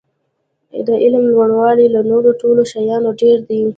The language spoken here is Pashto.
د علم لوړاوی له نورو ټولو شیانو ډېر دی.